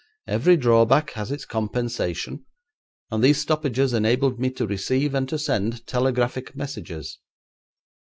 However, every drawback has its compensation, and these stoppages enabled me to receive and to send telegraphic messages.